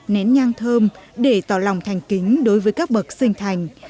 nén nhang thơm để tỏ lòng thành kính đối với các bậc sinh thành